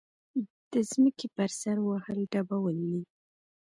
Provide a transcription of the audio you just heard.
د ځمکې پر سر وهل ډبول دي.